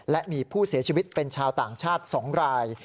และมีผู้เสียชีวิตเป็นชาวต่างชาติ๒ราย